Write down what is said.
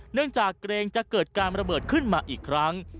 เนื่องจากเกรงจะเกิดการระเบิดขึ้นมาอีกครั้ง